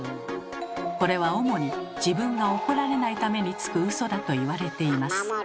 これは主に自分が怒られないためにつくウソだといわれています。